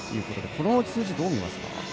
この数字どう見ますか。